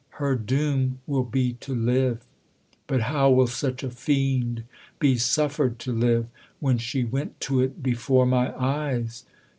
" Her doom will be to live." " But how will such a fiend be suffered tfo live when she went to it before my eyes